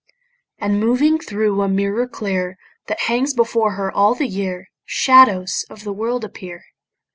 And moving thro' a mirror clear That hangs before her all the year, Shadows of the world appear.